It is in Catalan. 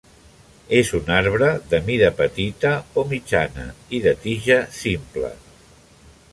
És un arbre de mida petita o mitjana i de tija simple.